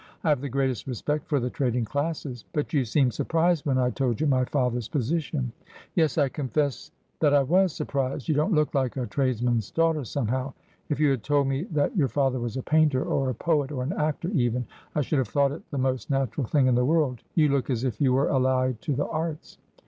I have the greatest respect for the trading classes — but ' 'But you seemed surprised when I told you my father's posi tion.' ' Yes ; I confess that I was surprised. You don't look like a tradesman's daughter, somehow. If you had told me that your 'And Volatile, as ay was His Usage.' 39 father was a painter, or a poet, or an actor even, I should have thought it the most natural thing in the world. You look as if you were allied to the arts.'